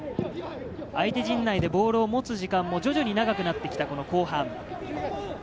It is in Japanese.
相手陣内でボールを持つ時間も徐々に長くなってきた後半。